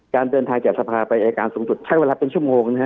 การเดินทางจ้างทางสภาไปไอการสุ่งสุดใช้เวลาเป็นชั่วโมง